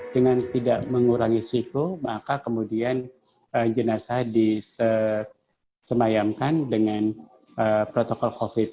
dengan tidak mengurangi sifu maka kemudian jenazah disemayamkan dengan protokol covid sembilan belas